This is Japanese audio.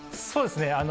そうですね。